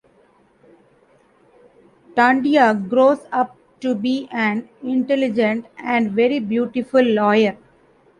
Tandia grows up to be an intelligent and very beautiful lawyer.